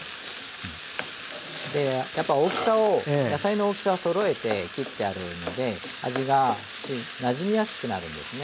やっぱ大きさを野菜の大きさをそろえて切ってあるので味がなじみやすくなるんですね。